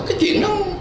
cái chuyện đó